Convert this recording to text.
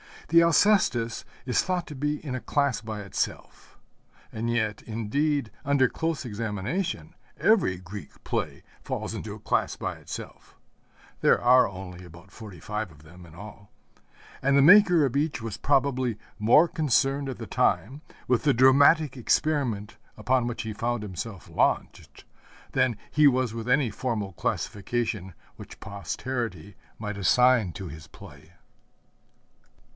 The Alcestis is thought to be in a class by itself. And yet, indeed, under close examination, every Greek play falls into a class by itself (there are only about forty five of them in all), and the maker of each was probably more concerned at the time with the dramatic experiment upon which he found himself launched than he was with any formal classification which posterity might assign to his play.